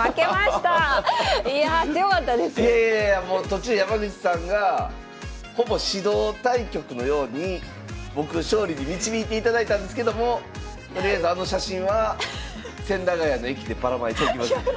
途中山口さんがほぼ指導対局のように僕を勝利に導いていただいたんですけどもとりあえずあの写真は千駄ヶ谷の駅でばらまいときますんで。